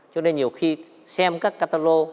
cho nên nhiều khi xem các catalog